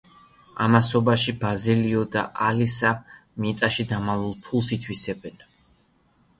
ამასობაში ბაზილიო და ალისა მიწაში დამალულ ფულს ითვისებენ.